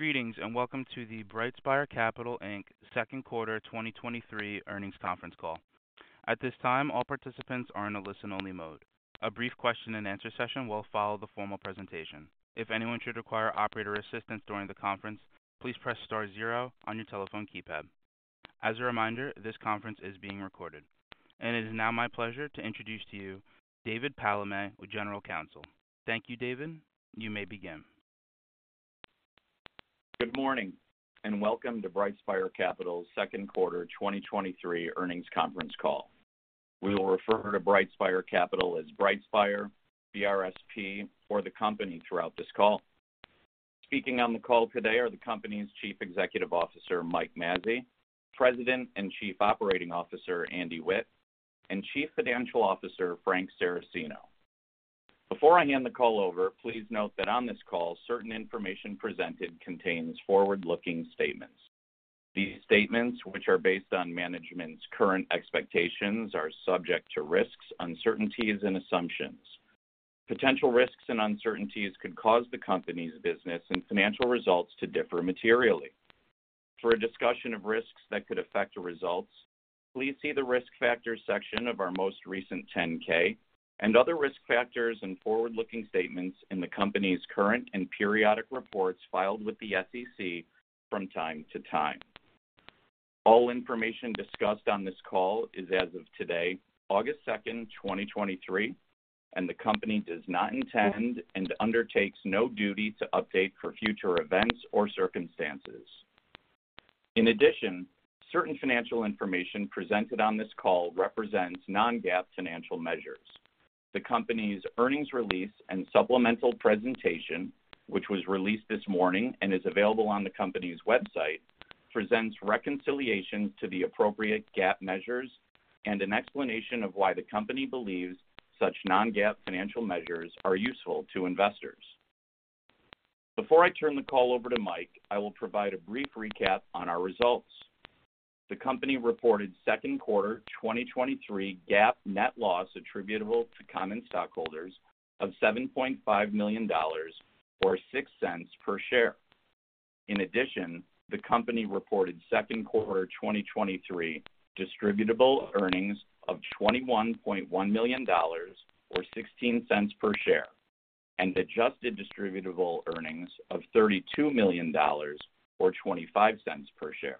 Greetings, and welcome to the BrightSpire Capital Inc. Second Quarter 2023 Earnings Conference Call. At this time, all participants are in a listen-only mode. A brief question-and-answer session will follow the formal presentation. If anyone should require operator assistance during the conference, please press star zero on your telephone keypad. As a reminder, this conference is being recorded. It is now my pleasure to introduce to you David Palamé, with General Counsel. Thank you, David. You may begin. Good morning, and welcome to BrightSpire Capital's Second Quarter 2023 Earnings Conference Call. We will refer to BrightSpire Capital as BrightSpire, BRSP, or the company throughout this call. Speaking on the call today are the company's Chief Executive Officer, Mike Mazzei, President and Chief Operating Officer, Andy Witt, and Chief Financial Officer, Frank Saracino. Before I hand the call over, please note that on this call, certain information presented contains forward-looking statements. These statements, which are based on management's current expectations, are subject to risks, uncertainties and assumptions. Potential risks and uncertainties could cause the company's business and financial results to differ materially. For a discussion of risks that could affect the results, please see the Risk Factors section of our most recent 10-K and other risk factors and forward-looking statements in the company's current and periodic reports filed with the SEC from time to time. All information discussed on this call is as of today, August 2, 2023, the company does not intend and undertakes no duty to update for future events or circumstances. In addition, certain financial information presented on this call represents non-GAAP financial measures. The company's earnings release and supplemental presentation, which was released this morning and is available on the company's website, presents reconciliation to the appropriate GAAP measures and an explanation of why the company believes such non-GAAP financial measures are useful to investors. Before I turn the call over to Mike, I will provide a brief recap on our results. The company reported Second Quarter 2023 GAAP net loss attributable to common stockholders of $7.5 million, or $0.06 per share. The company reported Second Quarter 2023 Distributable Earnings of $21.1 million or $0.16 per share, and Adjusted Distributable Earnings of $32.0 million or $0.25 per share.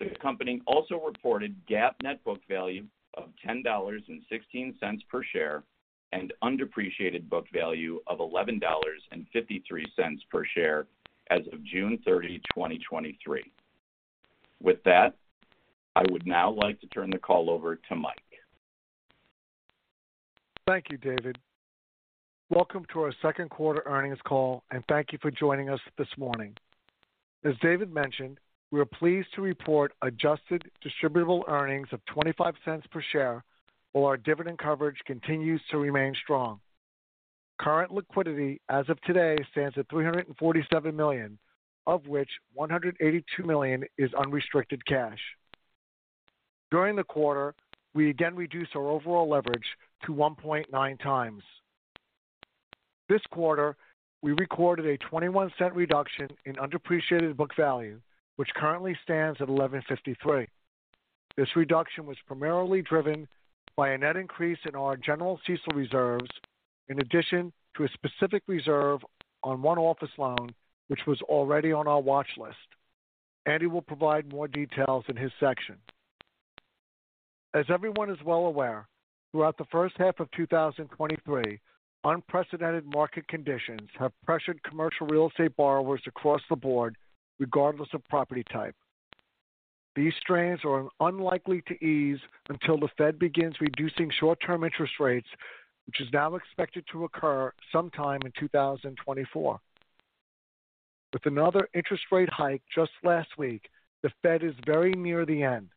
The company also reported GAAP net book value of $10.16 per share and undepreciated book value of $11.53 per share as of June 30, 2023. With that, I would now like to turn the call over to Mike. Thank you, David. Welcome to our Second Quarter Earnings Call. Thank you for joining us this morning. As David mentioned, we are pleased to report Adjusted Distributable Earnings of $0.25 per share, while our dividend coverage continues to remain strong. Current liquidity as of today stands at $347 million, of which $182 million is unrestricted cash. During the quarter, we again reduced our overall leverage to 1.9x. This quarter, we recorded a $0.21 reduction in undepreciated book value, which currently stands at $11.53. This reduction was primarily driven by a net increase in our general CECL reserves, in addition to a specific reserve on one office loan, which was already on our watch list. Andy will provide more details in his section. As everyone is well aware, throughout the first half of 2023, unprecedented market conditions have pressured commercial real estate borrowers across the board, regardless of property type. These strains are unlikely to ease until the Fed begins reducing short-term interest rates, which is now expected to occur sometime in 2024. With another interest rate hike just last week, the Fed is very near the end.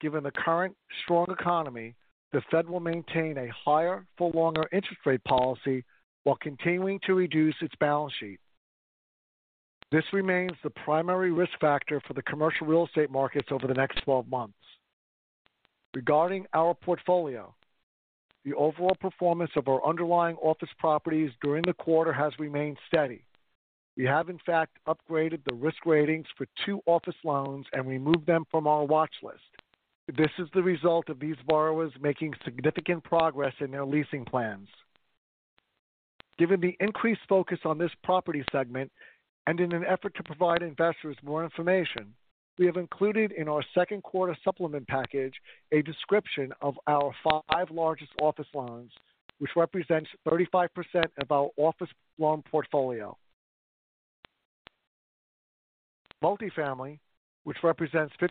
Given the current strong economy, the Fed will maintain a higher for longer interest rate policy while continuing to reduce its balance sheet. This remains the primary risk factor for the commercial real estate markets over the next 12 months. Regarding our portfolio, the overall performance of our underlying office properties during the quarter has remained steady. We have in fact upgraded the risk ratings for 2 office loans and removed them from our watch list. This is the result of these borrowers making significant progress in their leasing plans. Given the increased focus on this property segment and in an effort to provide investors more information, we have included in our Second Quarter Supplement Package a description of our five largest office loans, which represents 35% of our office loan portfolio. Multifamily, which represents 52%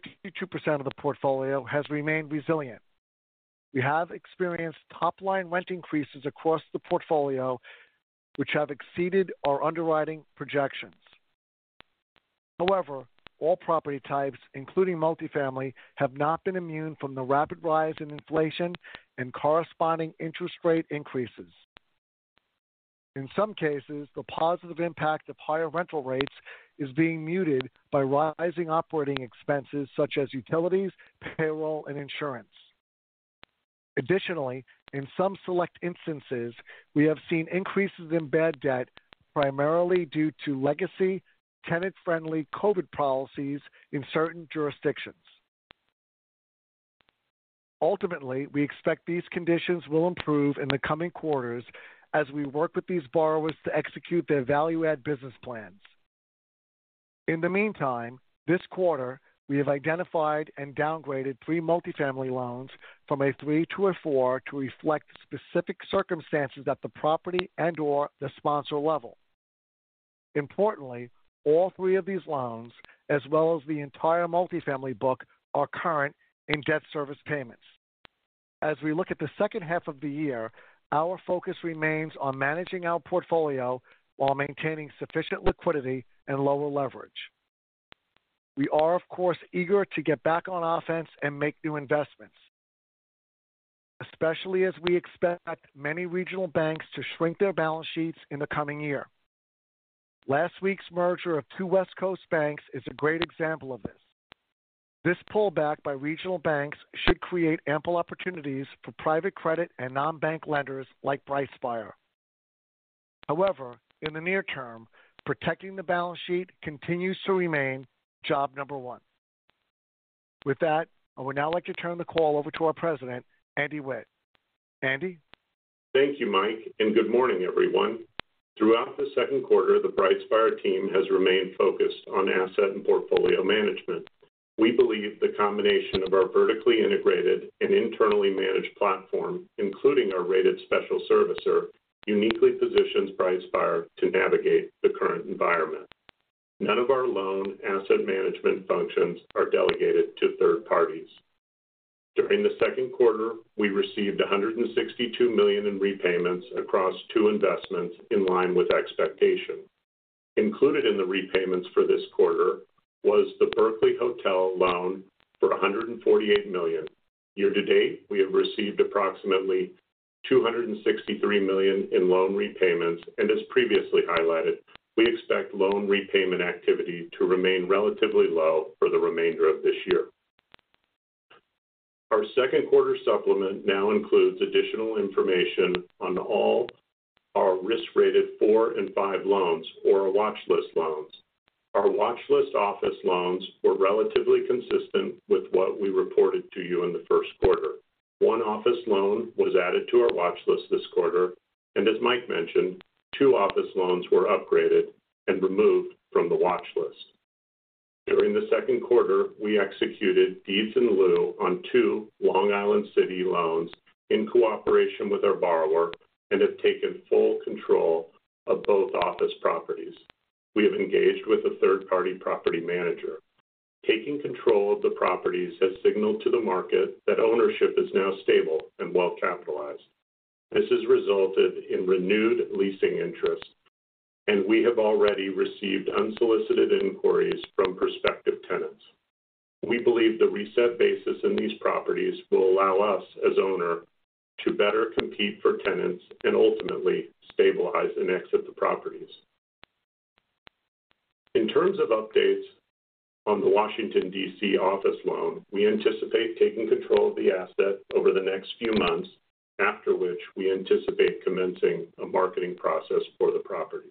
of the portfolio, has remained resilient. We have experienced top-line rent increases across the portfolio, which have exceeded our underwriting projections. However, all property types, including Multifamily, have not been immune from the rapid rise in inflation and corresponding interest rate increases. In some cases, the positive impact of higher rental rates is being muted by rising operating expenses such as utilities, payroll, and insurance. In some select instances, we have seen increases in bad debt, primarily due to legacy, tenant-friendly COVID policies in certain jurisdictions. Ultimately, we expect these conditions will improve in the coming quarters as we work with these borrowers to execute their value-add business plans. In the meantime, this quarter, we have identified and downgraded three Multifamily loans from a three to a four to reflect specific circumstances at the property and/or the sponsor level. Importantly, all three of these loans, as well as the entire Multifamily book, are current in debt service payments. As we look at the second half of the year, our focus remains on managing our portfolio while maintaining sufficient liquidity and lower leverage. We are, of course, eager to get back on offense and make new investments, especially as we expect many regional banks to shrink their balance sheets in the coming year. Last week's merger of two West Coast banks is a great example of this. This pullback by regional banks should create ample opportunities for private credit and non-bank lenders like BrightSpire. However, in the near term, protecting the balance sheet continues to remain job number one. With that, I would now like to turn the call over to our President, Andy Witt. Andy? Thank you, Mike, and good morning, everyone. Throughout the second quarter, the BrightSpire team has remained focused on asset and portfolio management. We believe the combination of our vertically integrated and internally managed platform, including our rated special servicer, uniquely positions BrightSpire to navigate the current environment. None of our loan asset management functions are delegated to third parties. During the second quarter, we received $162 million in repayments across 2 investments in line with expectation. Included in the repayments for this quarter was the Berkeley Hotel loan for $148 million. Year-to-date, we have received approximately $263 million in loan repayments, and as previously highlighted, we expect loan repayment activity to remain relatively low for the remainder of this year. Our second quarter supplement now includes additional information on all our risk-rated 4 and 5 loans or our watch list loans. Our watch list office loans were relatively consistent with what we reported to you in the first quarter. One office loan was added to our watch list this quarter. As Mike mentioned, two office loans were upgraded and removed from the watch list. During the second quarter, we executed deeds in lieu on two Long Island City loans in cooperation with our borrower and have taken full control of both office properties. We have engaged with a third-party property manager. Taking control of the properties has signaled to the market that ownership is now stable and well-capitalized. This has resulted in renewed leasing interest, and we have already received unsolicited inquiries from prospective tenants. We believe the reset basis in these properties will allow us, as owner, to better compete for tenants and ultimately stabilize and exit the properties. In terms of updates on the Washington, DC, office loan, we anticipate taking control of the asset over the next few months, after which we anticipate commencing a marketing process for the property.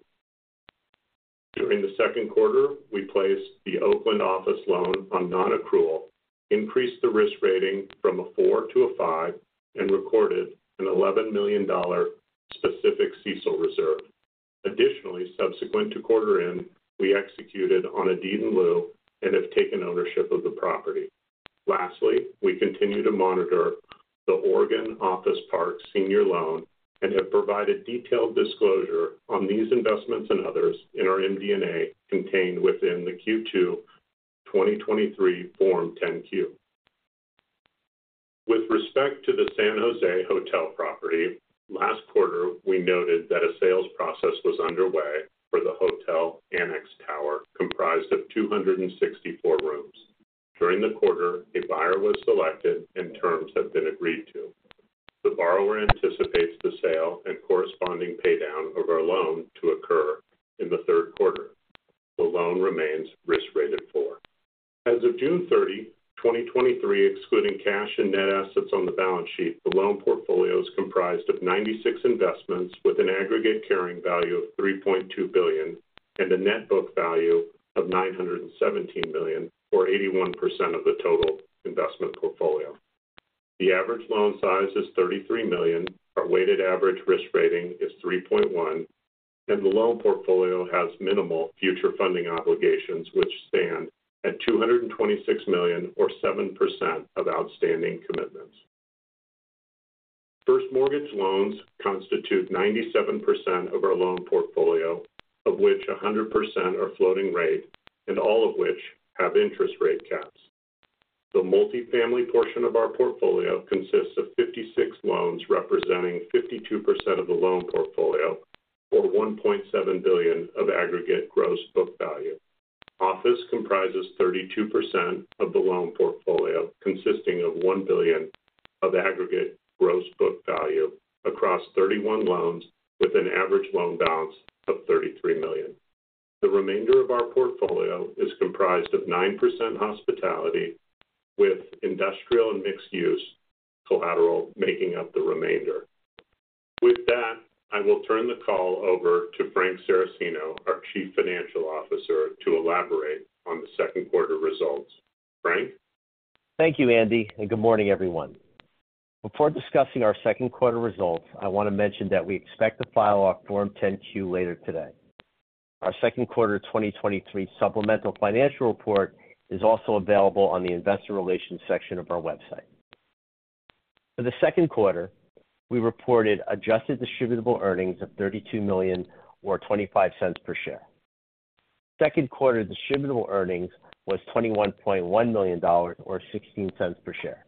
During the second quarter, we placed the Oakland office loan on non-accrual, increased the risk rating from a four to a five, and recorded an $11 million specific CECL reserve. Additionally, subsequent to quarter end, we executed on a deed in lieu and have taken ownership of the property. Lastly, we continue to monitor the Oregon Office Park Senior Loan and have provided detailed disclosure on these investments and others in our MD&A, contained within the Q2 2023 Form 10-Q. With respect to the San Jose hotel property, last quarter, we noted that a sales process was underway for the hotel annex tower, comprised of 264 rooms. During the quarter, a buyer was selected and terms have been agreed to. The borrower anticipates the sale and corresponding paydown of our loan to occur in the third quarter. The loan remains risk-rated 4. As of June 30, 2023, excluding cash and net assets on the balance sheet, the loan portfolio is comprised of 96 investments, with an aggregate carrying value of $3.2 billion and a net book value of $917 million, or 81% of the total investment portfolio. The average loan size is $33 million. Our weighted average risk rating is 3.1, and the loan portfolio has minimal future funding obligations, which stand at $226 million, or 7% of outstanding commitments. First, mortgage loans constitute 97% of our loan portfolio, of which 100% are floating rate and all of which have interest rate caps. The multifamily portion of our portfolio consists of 56 loans, representing 52% of the loan portfolio or $1.7 billion of aggregate gross book value. Office comprises 32% of the loan portfolio, consisting of $1 billion of aggregate gross book value across 31 loans, with an average loan balance of $33 million. The remainder of our portfolio is comprised of 9% hospitality, with industrial and mixed use collateral making up the remainder. With that, I will turn the call over to Frank Saracino, our Chief Financial Officer, to elaborate on the second quarter results. Frank? Thank you, Andy. Good morning, everyone. Before discussing our second quarter results, I want to mention that we expect to file our Form 10-Q later today. Our Second Quarter 2023 Supplemental Financial Report is also available on the investor relations section of our website. For the second quarter, we reported Adjusted Distributable Earnings of $32.0 million or $0.25 per share. second quarter distributable earnings was $21.1 million, or $0.16 per share.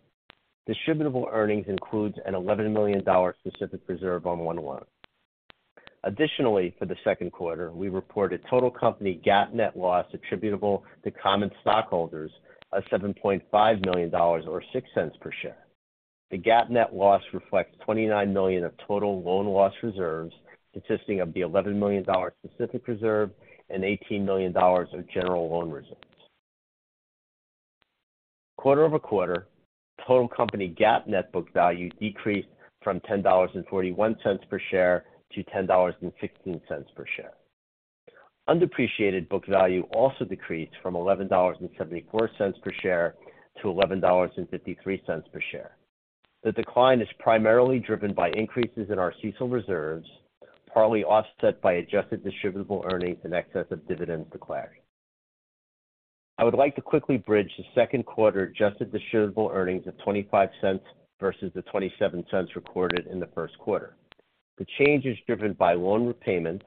Distributable Earnings includes an $11 million specific reserve on one loan. Additionally, for the second quarter, we reported total company GAAP net loss attributable to common stockholders of $7.5 million, or $0.06 per share. The GAAP net loss reflects $29 million of total loan loss reserves, consisting of the $11 million specific reserve and $18 million of general loan reserves. Quarter-over-quarter, total company GAAP net book value decreased from $10.41 per share to $10.16 per share. Undepreciated book value also decreased from $11.74 per share to $11.53 per share. The decline is primarily driven by increases in our CECL reserves, partly offset by Adjusted Distributable Earnings in excess of dividends declared. I would like to quickly bridge the second quarter Adjusted Distributable Earnings of $0.25 versus the $0.27 recorded in the first quarter. The change is driven by loan repayments,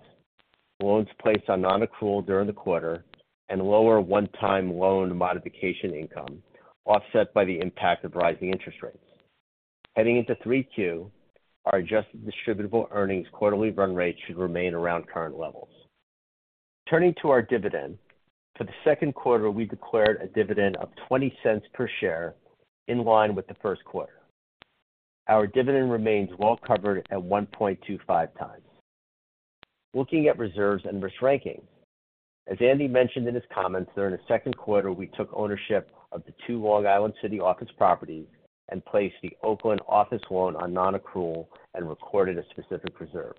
loans placed on non-accrual during the quarter, and lower one-time loan modification income, offset by the impact of rising interest rates. Heading into 3Q, our Adjusted Distributable Earnings quarterly run rate should remain around current levels. Turning to our dividend. For the second quarter, we declared a dividend of $0.20 per share, in line with the first quarter. Our dividend remains well covered at 1.25x. Looking at reserves and risk ranking. As Andy mentioned in his comments, during the second quarter, we took ownership of the two Long Island City office properties and placed the Oakland office loan on non-accrual and recorded a specific reserve.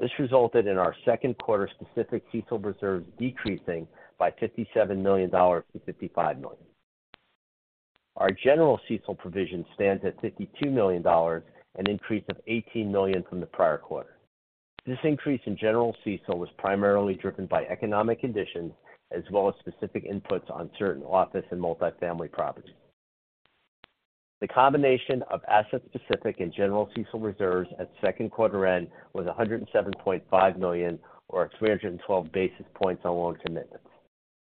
This resulted in our second quarter specific CECL reserve decreasing by $57 million to $55 million. Our general CECL provision stands at $52 million, an increase of $18 million from the prior quarter. This increase in general CECL was primarily driven by economic conditions, as well as specific inputs on certain office and Multifamily properties. The combination of asset-specific and general CECL reserves at second quarter end was $107.5 million, or 312 basis points on loan commitments.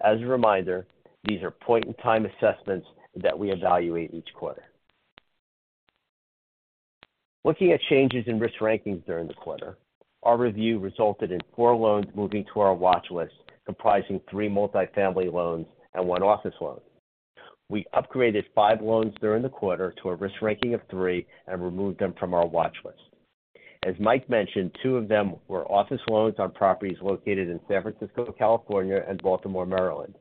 As a reminder, these are point-in-time assessments that we evaluate each quarter. Looking at changes in risk rankings during the quarter, our review resulted in 4 loans moving to our watch list, comprising 3 multifamily loans and 1 office loan. We upgraded 5 loans during the quarter to a risk ranking of 3 and removed them from our watch list. As Mike mentioned, 2 of them were office loans on properties located in San Francisco, California and Baltimore, Maryland.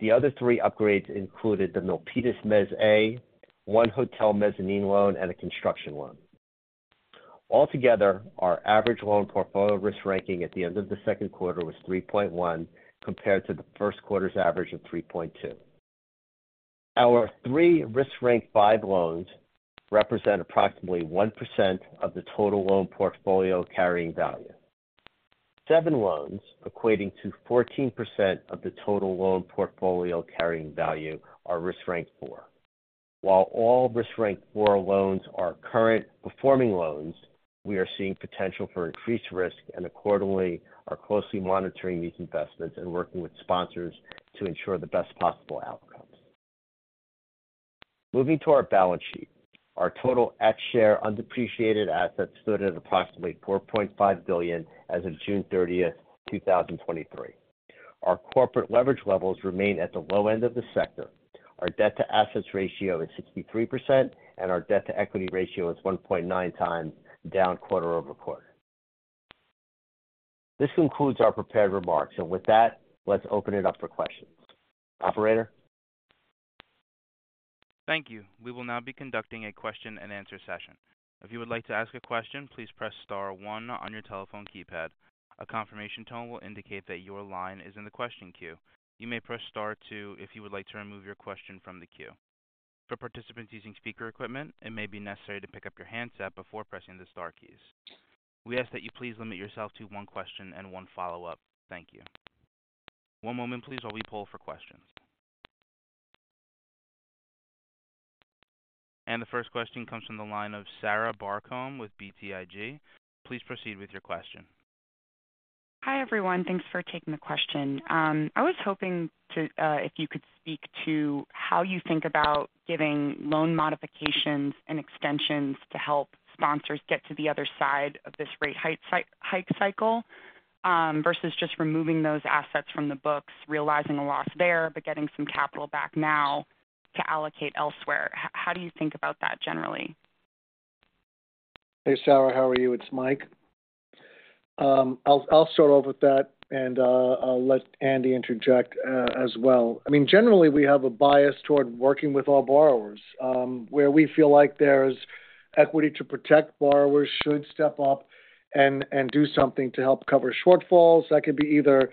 The other 3 upgrades included the Milpitas Mezz A, 1 hotel mezzanine loan, and a construction loan. Altogether, our average loan portfolio risk ranking at the end of the second quarter was 3.1, compared to the first quarter's average of 3.2. Our 3 risk rank 5 loans represent approximately 1% of the total loan portfolio carrying value. 7 loans, equating to 14% of the total loan portfolio carrying value, are risk rank 4. While all risk rank 4 loans are current performing loans, we are seeing potential for increased risk and accordingly are closely monitoring these investments and working with sponsors to ensure the best possible outcomes. Moving to our balance sheet. Our total at-share undepreciated assets stood at approximately $4.5 billion as of June 30, 2023. Our corporate leverage levels remain at the low end of the sector. Our debt-to-assets ratio is 63%, and our debt-to-equity ratio is 1.9x, down quarter-over-quarter. This concludes our prepared remarks, and with that, let's open it up for questions. Operator? Thank you. We will now be conducting a question-and-answer session. If you would like to ask a question, please press star one on your telephone keypad. A confirmation tone will indicate that your line is in the question queue. You may press star two if you would like to remove your question from the queue. For participants using speaker equipment, it may be necessary to pick up your handset before pressing the star keys. We ask that you please limit yourself to one question and one follow-up. Thank you. One moment, please, while we poll for questions. The first question comes from the line of Sarah Barcomb with BTIG. Please proceed with your question. Hi, everyone. Thanks for taking the question. I was hoping to, if you could speak to how you think about giving loan modifications and extensions to help sponsors get to the other side of this rate hike cycle, versus just removing those assets from the books, realizing a loss there, but getting some capital back now to allocate elsewhere. How do you think about that generally?... Hey, Sarah, how are you? It's Mike. I'll, I'll start off with that, and I'll let Andy interject as well. I mean, generally, we have a bias toward working with all borrowers. Where we feel like there's equity to protect, borrowers should step up and, and do something to help cover shortfalls. That could be either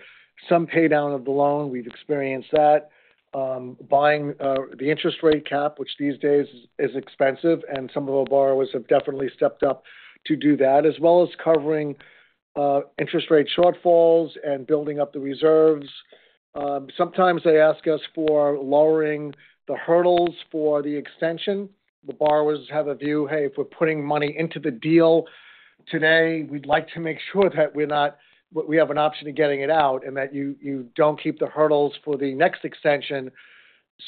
some pay down of the loan, we've experienced that, buying the interest rate cap, which these days is, is expensive, and some of our borrowers have definitely stepped up to do that, as well as covering interest rate shortfalls and building up the reserves. Sometimes they ask us for lowering the hurdles for the extension. The borrowers have a view, "Hey, if we're putting money into the deal today, we'd like to make sure that we're not-- we have an option of getting it out, and that you, you don't keep the hurdles for the next extension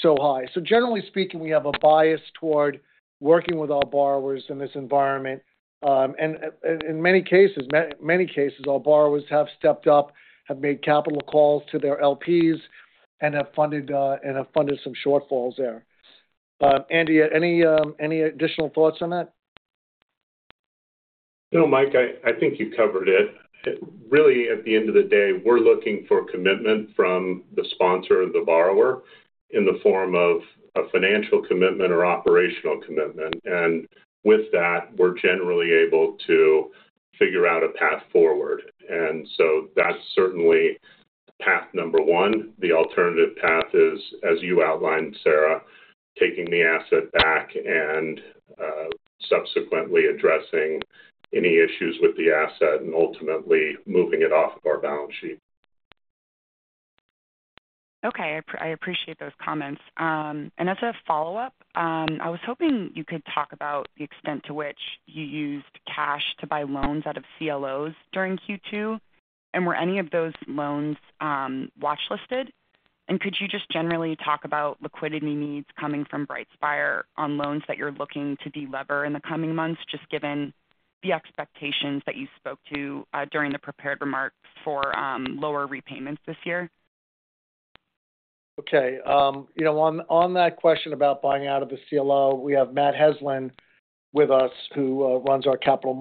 so high." Generally speaking, we have a bias toward working with our borrowers in this environment. In many cases, many cases, our borrowers have stepped up, have made capital calls to their LPs and have funded, and have funded some shortfalls there. Andy, any, any additional thoughts on that? No, Mike, I, I think you covered it. Really, at the end of the day, we're looking for commitment from the sponsor or the borrower in the form of a financial commitment or operational commitment, and with that, we're generally able to figure out a path forward. So that's certainly path number 1. The alternative path is, as you outlined, Sarah, taking the asset back and subsequently addressing any issues with the asset and ultimately moving it off of our balance sheet. Okay, I appreciate those comments. As a follow-up, I was hoping you could talk about the extent to which you used cash to buy loans out of CLOs during Q2, and were any of those loans watchlisted? Could you just generally talk about liquidity needs coming from BrightSpire on loans that you're looking to de-lever in the coming months, just given the expectations that you spoke to during the prepared remarks for lower repayments this year? Okay, you know, on, on that question about buying out of the CLO, we have Matt Heslin with us, who runs our capital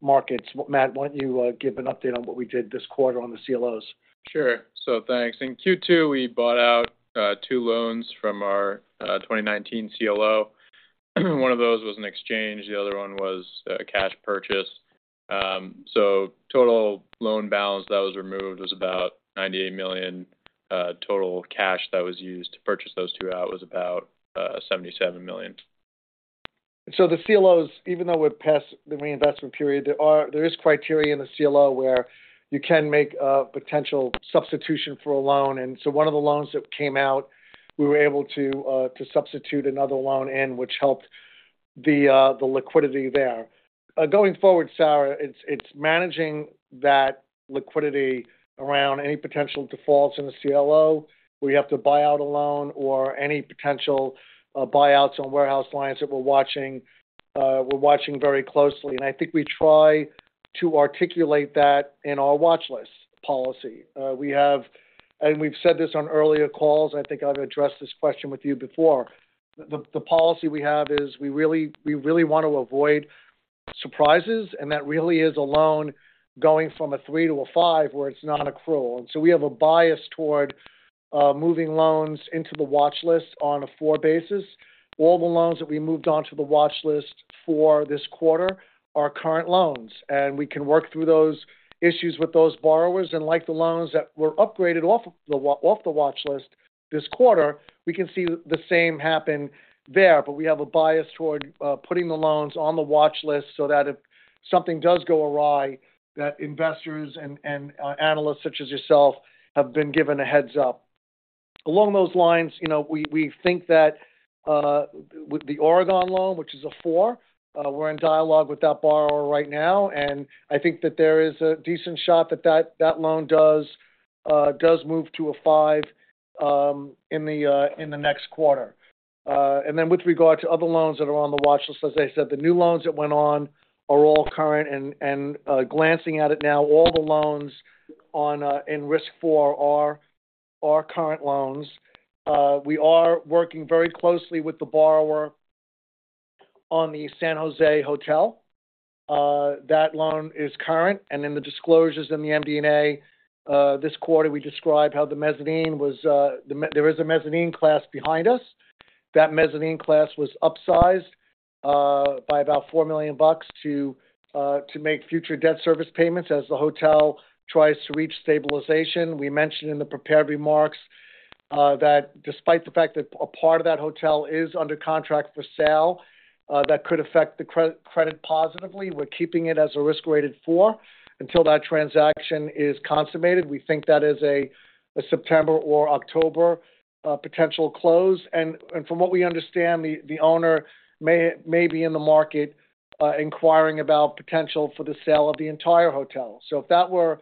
markets. Matt, why don't you give an update on what we did this quarter on the CLOs? Sure. Thanks. In Q2, we bought out two loans from our 2019 CLO. One of those was an exchange, the other one was a cash purchase. Total loan balance that was removed was about $98 million. Total cash that was used to purchase those two out was about $77 million. The CLOs, even though we're past the reinvestment period, there are, there is criteria in the CLO where you can make a potential substitution for a loan. One of the loans that came out, we were able to to substitute another loan in, which helped the liquidity there. Going forward, Sarah, it's, it's managing that liquidity around any potential defaults in the CLO, we have to buy out a loan or any potential buyouts on warehouse lines that we're watching, we're watching very closely. I think we try to articulate that in our watch list policy. We have, and we've said this on earlier calls, I think I've addressed this question with you before. The policy we have is we really want to avoid surprises, and that really is a loan going from a 3 to a 5 where it's non-accrual. So we have a bias toward moving loans into the watch list on a 4 basis. All the loans that we moved on to the watch list for this quarter are current loans, and we can work through those issues with those borrowers. Like the loans that were upgraded off of the watch list this quarter, we can see the same happen there. We have a bias toward putting the loans on the watch list so that if something does go awry, that investors and analysts such as yourself, have been given a heads-up. Along those lines, you know, we, we think that, with the Oregon loan, which is a 4, we're in dialogue with that borrower right now, and I think that there is a decent shot that, that loan does, does move to a 5 in the next quarter. Then with regard to other loans that are on the watch list, as I said, the new loans that went on are all current and, glancing at it now, all the loans on in risk 4 are current loans. We are working very closely with the borrower on the San Jose hotel. That loan is current, in the disclosures in the MD&A this quarter, we described how the mezzanine was, there is a mezzanine class behind us. That mezzanine class was upsized, by about $4 million to, to make future debt service payments as the hotel tries to reach stabilization. We mentioned in the prepared remarks, that despite the fact that a part of that hotel is under contract for sale, that could affect the credit positively. We're keeping it as a risk-weighted 4 until that transaction is consummated. We think that is a, a September or October, potential close. From what we understand, the, the owner may, may be in the market, inquiring about potential for the sale of the entire hotel. If that were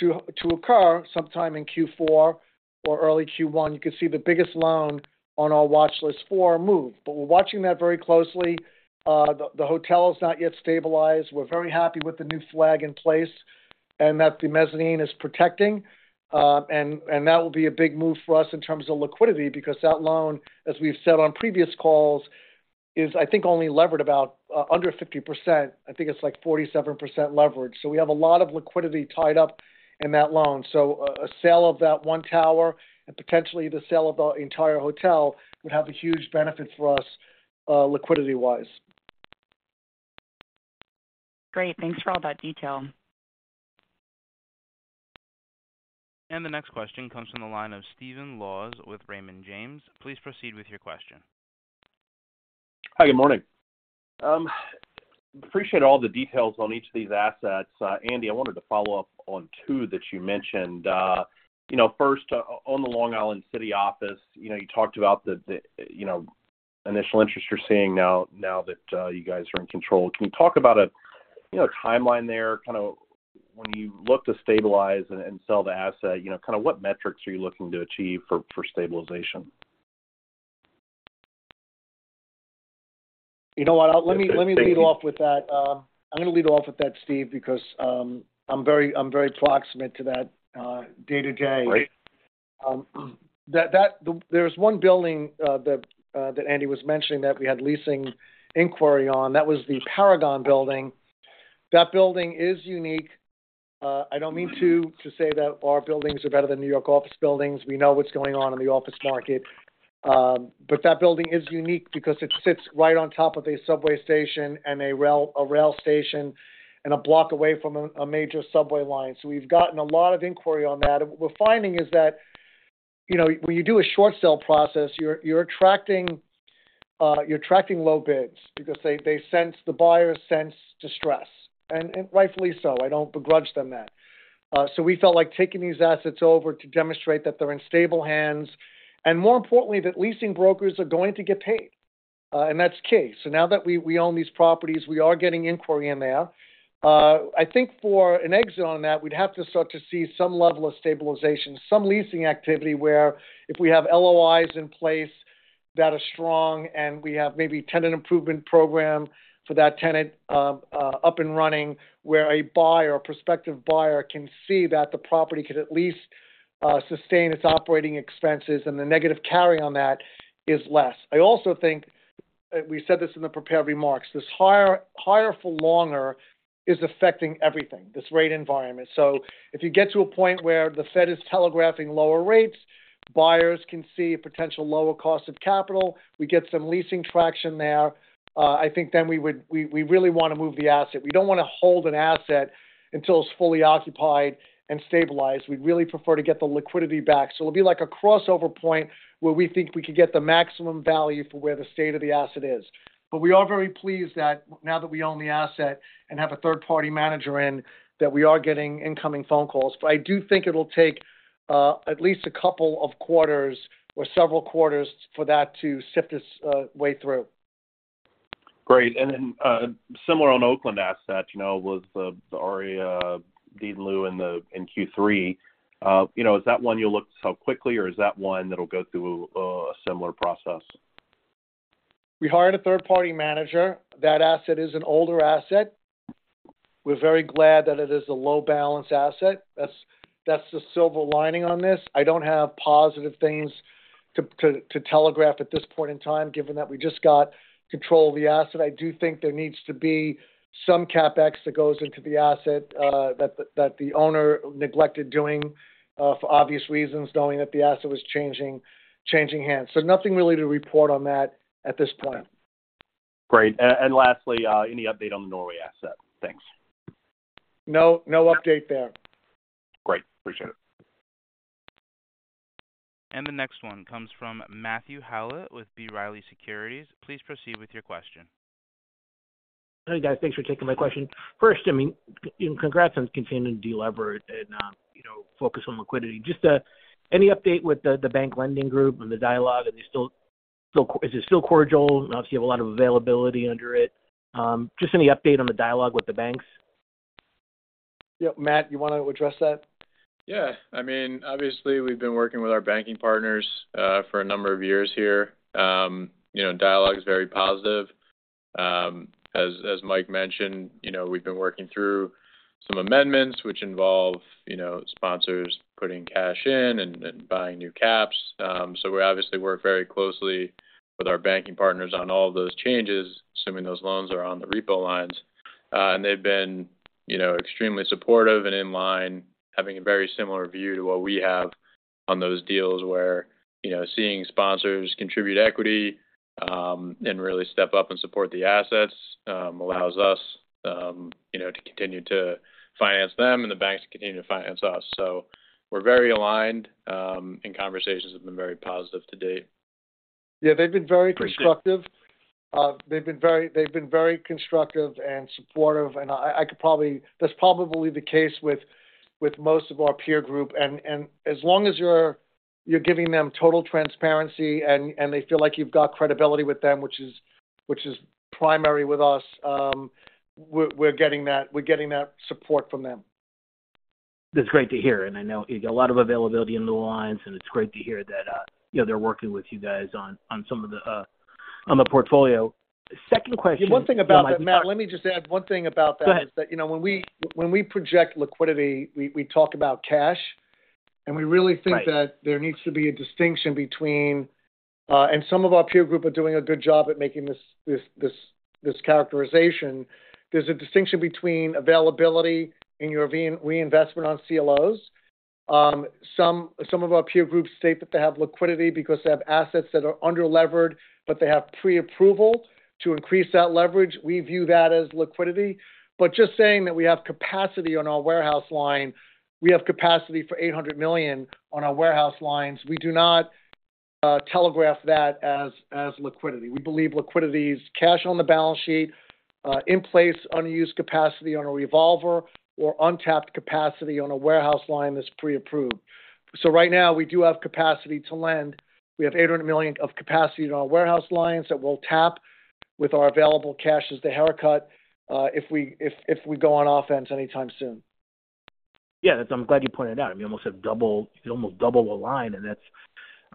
to, to occur sometime in Q4 or early Q1, you could see the biggest loan on our watchlist 4 move. We're watching that very closely. The, the hotel is not yet stabilized. We're very happy with the new flag in place. And that the mezzanine is protecting. That will be a big move for us in terms of liquidity, because that loan, as we've said on previous calls, is, I think, only levered about under 50%. I think it's like 47% leverage. We have a lot of liquidity tied up in that loan. A sale of that one tower and potentially the sale of the entire hotel would have a huge benefit for us, liquidity-wise. Great. Thanks for all that detail. The next question comes from the line of Stephen Laws with Raymond James. Please proceed with your question. Hi, good morning. Appreciate all the details on each of these assets. Andy, I wanted to follow up on two that you mentioned. You know, first, on the Long Island City office, you know, you talked about the, the, you know, initial interest you're seeing now, now that, you guys are in control. Can you talk about a, you know, timeline there, kind of when you look to stabilize and, and sell the asset, you know, kind of what metrics are you looking to achieve for, for stabilization? You know what? Thank you. Let me, let me lead off with that. I'm going to lead off with that, Steve, because I'm very, I'm very proximate to that day-to-day. Great. That, there's one building that Andy was mentioning, that we had leasing inquiry on. That was the Paragon building. That building is unique. I don't mean to say that our buildings are better than New York office buildings. We know what's going on in the office market. That building is unique because it sits right on top of a subway station and a rail station, and a block away from a major subway line. We've gotten a lot of inquiry on that. What we're finding is that, you know, when you do a short sale process, you're attracting low bids because they sense the buyers sense distress, and rightfully so. I don't begrudge them that. We felt like taking these assets over to demonstrate that they're in stable hands, and more importantly, that leasing brokers are going to get paid, and that's the case. Now that we, we own these properties, we are getting inquiry in there. I think for an exit on that, we'd have to start to see some level of stabilization, some leasing activity, where if we have LOIs in place that are strong and we have maybe tenant improvement program for that tenant, up and running, where a buyer or prospective buyer can see that the property could at least, sustain its operating expenses, and the negative carry on that is less. I also think, we said this in the prepared remarks, this higher, higher for longer is affecting everything, this rate environment. If you get to a point where the Fed is telegraphing lower rates, buyers can see a potential lower cost of capital. We get some leasing traction there, I think then we really want to move the asset. We don't want to hold an asset until it's fully occupied and stabilized. We'd really prefer to get the liquidity back. It'll be like a crossover point where we think we could get the maximum value for where the state of the asset is. We are very pleased that now that we own the asset and have a third-party manager in, that we are getting incoming phone calls. I do think it'll take, at least a couple of quarters or several quarters for that to sift its way through. Great. Similar on Oakland office loan, you know, with the deed in lieu in Q3, you know, is that one you'll look to sell quickly, or is that one that'll go through a similar process? We hired a third-party manager. That asset is an older asset. We're very glad that it is a low-balance asset. That's, that's the silver lining on this. I don't have positive things to telegraph at this point in time, given that we just got control of the asset. I do think there needs to be some CapEx that goes into the asset, that the owner neglected doing, for obvious reasons, knowing that the asset was changing, changing hands. Nothing really to report on that at this point. Great. Lastly, any update on the Norway asset? Thanks. No, no update there. Great. Appreciate it. The next one comes from Matthew Hallett, with B. Riley Securities. Please proceed with your question. Hi, guys. Thanks for taking my question. First, I mean, congrats on continuing to delever and, you know, focus on liquidity. Just any update with the bank lending group and the dialogue, is it still cordial? Obviously, you have a lot of availability under it. Just any update on the dialogue with the banks? Yeah, Matt, you want to address that? Yeah. I mean, obviously, we've been working with our banking partners for a number of years here. You know, dialogue is very positive. As, as Mike mentioned, you know, we've been working through some amendments which involve, you know, sponsors putting cash in and, and buying new caps. We obviously work very closely with our banking partners on all those changes, assuming those loans are on the repo lines. And they've been, you know, extremely supportive and in line, having a very similar view to what we have on those deals, where, you know, seeing sponsors contribute equity and really step up and support the assets allows us, you know, to continue to finance them and the banks to continue to finance us. We're very aligned, and conversations have been very positive to date. Yeah, they've been very constructive. Appreciate it. They've been very constructive and supportive, and I could probably-- that's probably the case with most of our peer group. As long as you're giving them total transparency, and they feel like you've got credibility with them, which is primary with us, we're getting that support from them.... That's great to hear, and I know you've got a lot of availability in the lines, and it's great to hear that, you know, they're working with you guys on, on some of the, on the portfolio. Second question- One thing about that, Matt, let me just add one thing about that. Go ahead. Is that, you know, when we, when we project liquidity, we, we talk about cash, and we really think-. Right that there needs to be a distinction between, and some of our peer group are doing a good job at making this, this, this, this characterization. There's a distinction between availability and your re-reinvestment on CLOs. Some, some of our peer groups state that they have liquidity because they have assets that are underlevered, but they have pre-approval to increase that leverage. We view that as liquidity. Just saying that we have capacity on our warehouse line, we have capacity for $800 million on our warehouse lines. We do not telegraph that as, as liquidity. We believe liquidity is cash on the balance sheet, in place, unused capacity on a revolver or untapped capacity on a warehouse line that's pre-approved. Right now, we do have capacity to lend. We have $800 million of capacity in our warehouse lines that we'll tap with our available cash as the haircut, if we go on offense anytime soon. Yeah, that's I'm glad you pointed out. I mean, you almost have you can almost double the line, and that's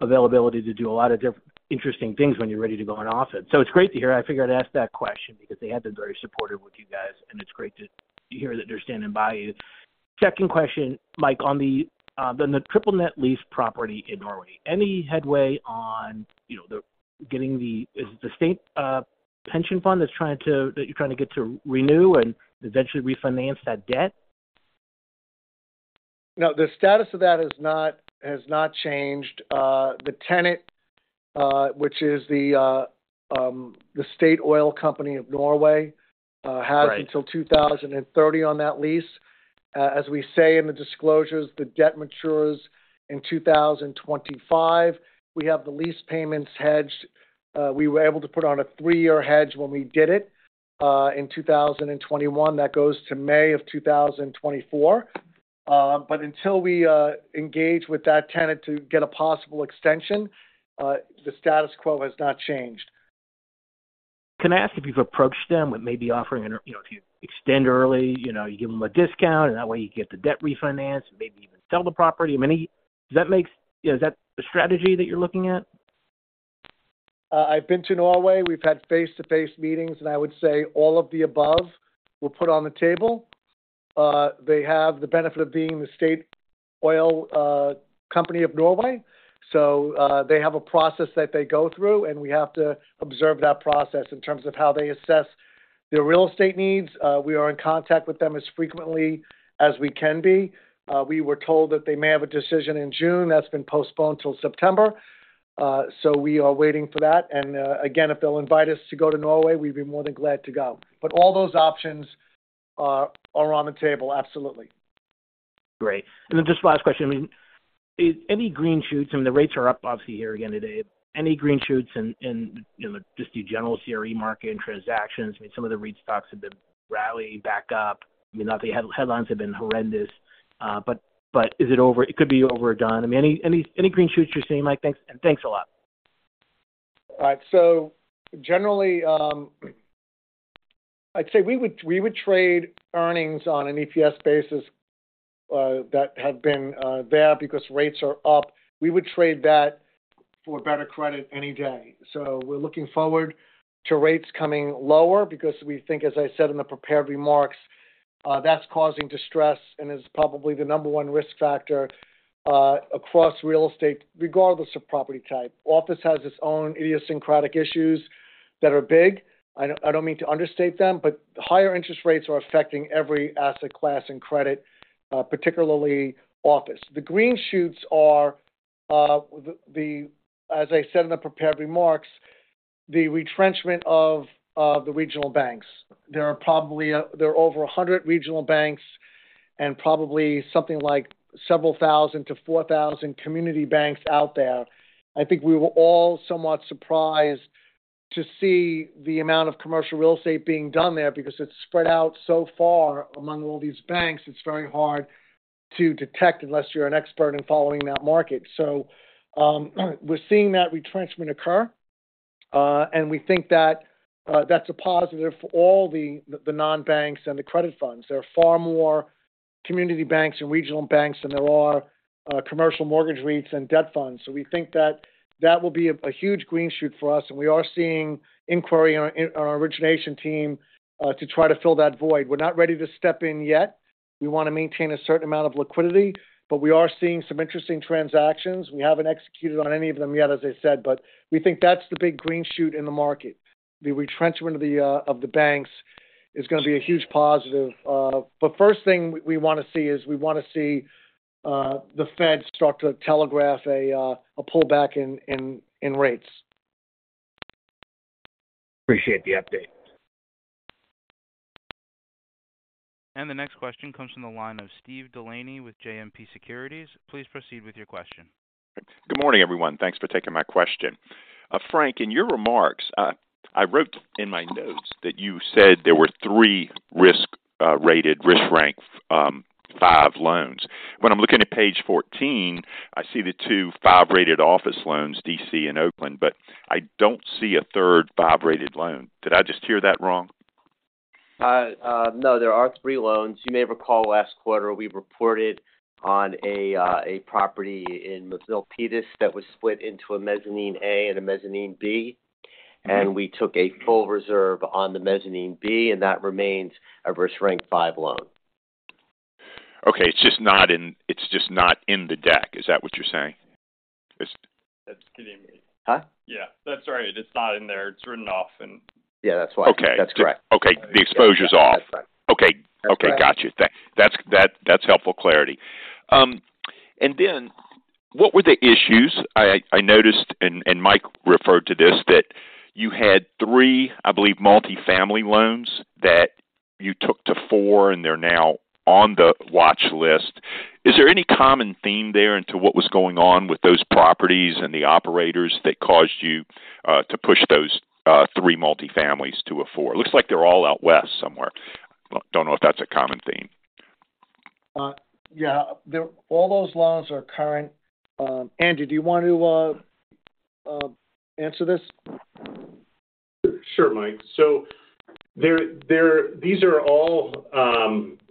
availability to do a lot of interesting things when you're ready to go on offense. It's great to hear. I figured I'd ask that question because they have been very supportive with you guys, and it's great to hear that they're standing by you. Second question, Mike, on the on the triple net lease property in Norway, any headway on, you know, Is it the state pension fund that's trying that you're trying to get to renew and eventually refinance that debt? No, the status of that has not, has not changed. The tenant, which is the, the state oil company of Norway... Right has until 2030 on that lease. As we say in the disclosures, the debt matures in 2025. We have the lease payments hedged. We were able to put on a 3-year hedge when we did it, in 2021. That goes to May of 2024. Until we engage with that tenant to get a possible extension, the status quo has not changed. Can I ask if you've approached them with maybe offering you know, if you extend early, you know, you give them a discount, and that way you get the debt refinance and maybe even sell the property? I mean, Is that the strategy that you're looking at? I've been to Norway. We've had face-to-face meetings, and I would say all of the above were put on the table. They have the benefit of being the state oil company of Norway. They have a process that they go through, and we have to observe that process in terms of how they assess their real estate needs. We are in contact with them as frequently as we can be. We were told that they may have a decision in June. That's been postponed till September. We are waiting for that, and again, if they'll invite us to go to Norway, we'd be more than glad to go. All those options are on the table. Absolutely. Great. Just last question. I mean, any green shoots? I mean, the rates are up obviously here again, today. Any green shoots in, in, you know, just the general CRE market and transactions? I mean, some of the REIT stocks have been rallying back up. I mean, not the headlines have been horrendous, but is it over? It could be overdone. I mean, any green shoots you're seeing, Mike? Thanks, thanks a lot. Generally, I'd say we would, we would trade earnings on an EPS basis, that have been there because rates are up. We would trade that for better credit any day. We're looking forward to rates coming lower because we think, as I said in the prepared remarks, that's causing distress and is probably the number one risk factor across real estate, regardless of property type. Office has its own idiosyncratic issues that are big. I don't, I don't mean to understate them, but higher interest rates are affecting every asset class and credit, particularly office. The green shoots are, as I said in the prepared remarks, the retrenchment of the regional banks. There are over 100 regional banks and probably something like several thousand to 4,000 community banks out there. I think we were all somewhat surprised to see the amount of commercial real estate being done there, because it's spread out so far among all these banks. It's very hard to detect unless you're an expert in following that market. We're seeing that retrenchment occur, and we think that that's a positive for all the, the non-banks and the credit funds. There are far more community banks and regional banks than there are, commercial mortgage REITs and debt funds. We think that that will be a, a huge green shoot for us, and we are seeing inquiry on, in our origination team, to try to fill that void. We're not ready to step in yet. We want to maintain a certain amount of liquidity, but we are seeing some interesting transactions. We haven't executed on any of them yet, as I said, but we think that's the big green shoot in the market. The retrenchment of the of the banks is going to be a huge positive. First thing we want to see is we want to see the Fed start to telegraph a pullback in rates. Appreciate the update. The next question comes from the line of Steve Delaney with JMP Securities. Please proceed with your question. Good morning, everyone. Thanks for taking my question. Frank, in your remarks, I wrote in my notes that you said there were 3 risk, rated risk rank, 5 loans. When I'm looking at page 14, I see the 2 5-rated office loans, D.C. and Oakland, but I don't see a third 5-rated loan. Did I just hear that wrong?... No, there are 3 loans. You may recall last quarter, we reported on a property in Milpitas that was split into a mezzanine A and a mezzanine B, and we took a full reserve on the mezzanine B, and that remains a risk rank 5 loan. Okay. It's just not in the deck. Is that what you're saying? That's getting me. Huh? Yeah, that's right. It's not in there. It's written off and- Yeah, that's right. Okay. That's correct. Okay, the exposure's off. That's right. Okay. Okay, got you. That's helpful clarity. Then what were the issues? I noticed, and Mike referred to this, that you had three, I believe, Multifamily loans that you took to 4, and they're now on the watch list. Is there any common theme there into what was going on with those properties and the operators that caused you to push those three Multifamilies to a 4? It looks like they're all out west somewhere. I don't know if that's a common theme. Yeah, all those loans are current. Andrew, do you want to answer this? Sure, Mike. These are all,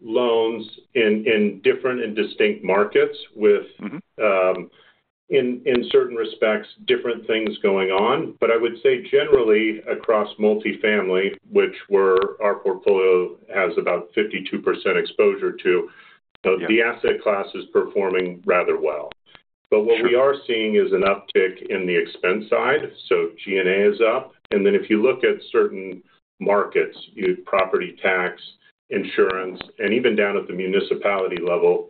loans in, in different and distinct markets. Mm-hmm... in, in certain respects, different things going on. But I would say generally across multifamily, which our portfolio has about 52% exposure to- Yeah. The asset class is performing rather well. Sure. What we are seeing is an uptick in the expense side, so G&A is up. Then if you look at certain markets, property tax, insurance, and even down at the municipality level,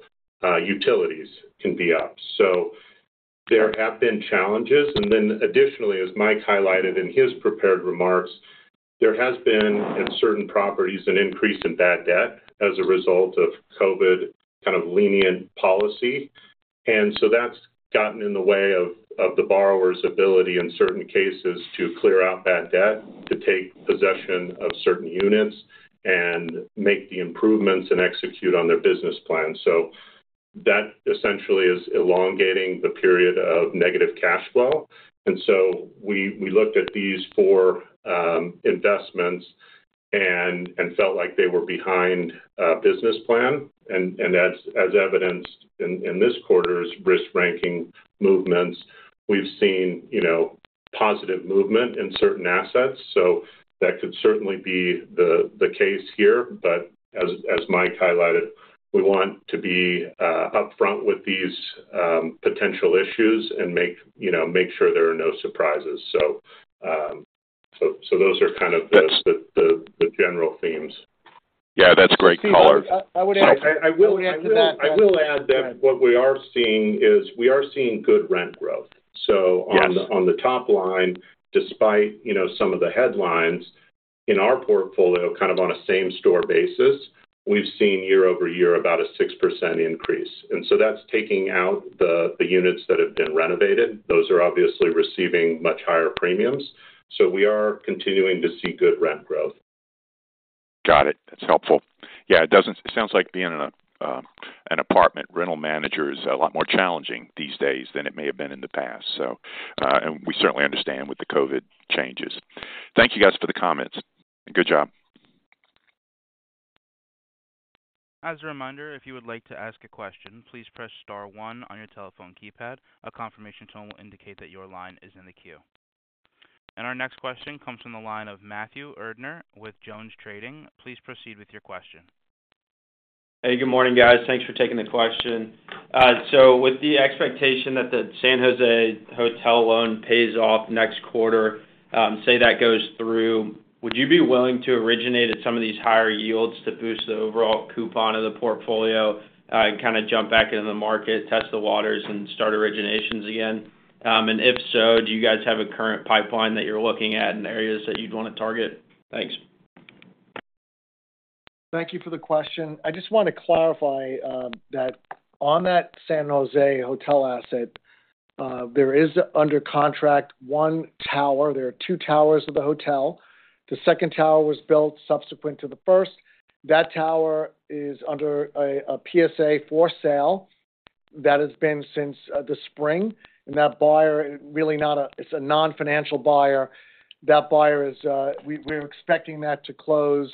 utilities can be up. There have been challenges. Then additionally, as Mike highlighted in his prepared remarks, there has been, in certain properties, an increase in bad debt as a result of COVID kind of lenient policy. So that's gotten in the way of the borrower's ability, in certain cases, to clear out bad debt, to take possession of certain units and make the improvements and execute on their business plan. That essentially is elongating the period of negative cash flow. So we, we looked at these four investments and felt like they were behind a business plan. As evidenced in this quarter's risk ranking movements, we've seen, you know, positive movement in certain assets. That could certainly be the case here. As Mike highlighted, we want to be upfront with these potential issues and make, you know, make sure there are no surprises. Those are kind of the. Yes... the, the, the general themes. Yeah, that's a great color. I would add. I will- I will add to that. I will add that what we are seeing is we are seeing good rent growth. Yes. On the top line, despite, you know, some of the headlines, in our portfolio, kind of on a same store basis, we've seen year-over-year about a 6% increase. That's taking out the, the units that have been renovated. Those are obviously receiving much higher premiums, so we are continuing to see good rent growth. Got it. That's helpful. Yeah, it doesn't it sounds like being an apartment rental manager is a lot more challenging these days than it may have been in the past. And we certainly understand with the COVID changes. Thank you guys for the comments, and good job. As a reminder, if you would like to ask a question, please press star one on your telephone keypad. A confirmation tone will indicate that your line is in the queue. Our next question comes from the line of Matthew Erdner with JonesTrading. Please proceed with your question. Hey, good morning, guys. Thanks for taking the question. With the expectation that the San Jose hotel loan pays off next quarter, say, that goes through, would you be willing to originate at some of these higher yields to boost the overall coupon of the portfolio, and kind of jump back into the market, test the waters, and start originations again? If so, do you guys have a current pipeline that you're looking at and areas that you'd want to target? Thanks. Thank you for the question. I just want to clarify that on that San Jose hotel asset, there is, under contract, one tower. There are two towers of the hotel. The second tower was built subsequent to the first. That tower is under a PSA for sale that has been since the spring, and that buyer is really not a-- it's a non-financial buyer. That buyer is. We're expecting that to close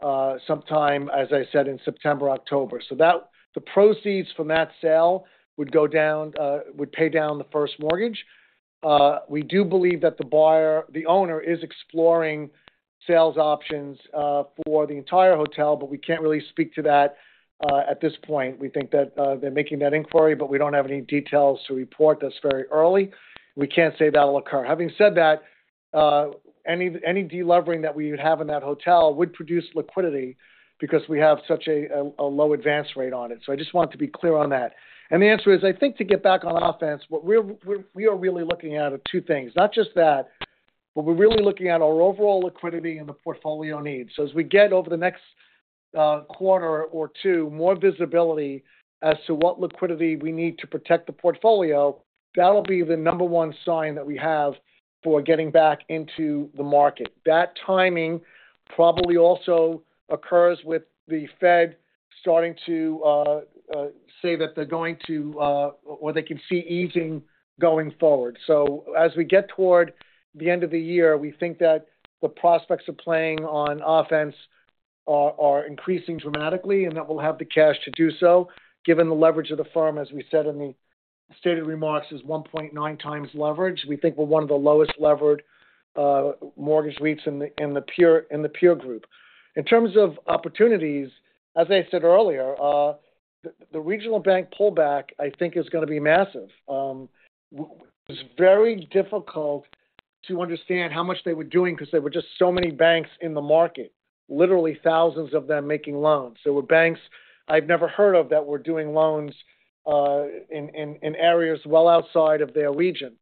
sometime, as I said, in September, October. The proceeds from that sale would go down, would pay down the first mortgage. We do believe that the buyer, the owner, is exploring sales options for the entire hotel, but we can't really speak to that at this point. We think that they're making that inquiry, but we don't have any details to report. That's very early. We can't say that'll occur. Having said that, any, any delevering that we would have in that hotel would produce liquidity because we have such a, a, a low advance rate on it. I just want to be clear on that. The answer is, I think to get back on offense, what we are really looking at are two things. Not just that, but we're really looking at our overall liquidity and the portfolio needs. As we get over the next, quarter or two, more visibility as to what liquidity we need to protect the portfolio, that'll be the number one sign that we have for getting back into the market. That timing probably also occurs with the Fed starting to say that they're going to, or they can see easing going forward. As we get toward the end of the year, we think that the prospects of playing on offense are, are increasing dramatically, and that we'll have the cash to do so. Given the leverage of the firm, as we said in the stated remarks, is 1.9x leverage. We think we're one of the lowest levered mortgage REITs in the, in the peer, in the peer group. In terms of opportunities, as I said earlier, the, the regional bank pullback, I think, is going to be massive. It's very difficult to understand how much they were doing because there were just so many banks in the market, literally thousands of them making loans. There were banks I've never heard of that were doing loans in, in, in areas well outside of their region.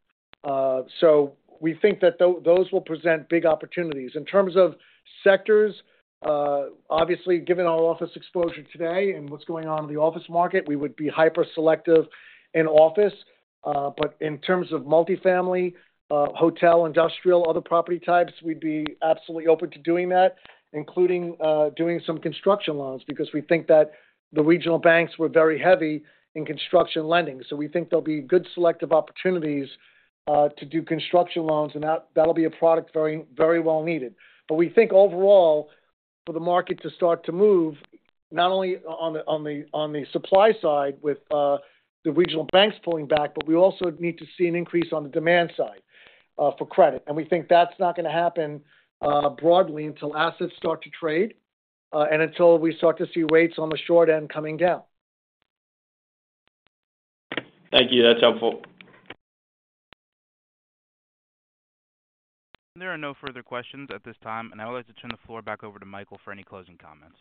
We think that those will present big opportunities. In terms of sectors, obviously, given our office exposure today and what's going on in the office market, we would be hyper selective in office. In terms of multifamily, hotel, industrial, other property types, we'd be absolutely open to doing that, including doing some construction loans, because we think that the regional banks were very heavy in construction lending. We think there'll be good selective opportunities to do construction loans, and that, that'll be a product very, very well needed. We think overall, for the market to start to move, not only on the, on the, on the supply side with the regional banks pulling back, but we also need to see an increase on the demand side for credit. We think that's not going to happen, broadly until assets start to trade, and until we start to see rates on the short end coming down. Thank you. That's helpful. There are no further questions at this time, and I would like to turn the floor back over to Michael for any closing comments.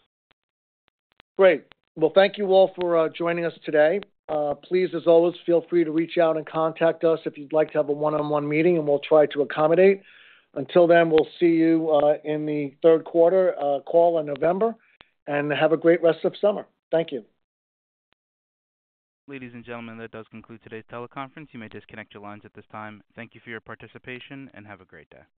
Great. Well, thank you all for joining us today. Please, as always, feel free to reach out and contact us if you'd like to have a one-on-one meeting. We'll try to accommodate. Until then, we'll see you in the third quarter call in November. Have a great rest of summer. Thank you. Ladies and gentlemen, that does conclude today's teleconference. You may disconnect your lines at this time. Thank you for your participation, and have a great day.